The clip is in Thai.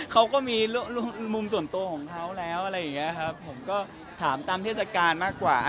เขาก็มีมุมส่วนตัวของเค้าแล้วผมก็ถามตามเทศกาลมากกว่า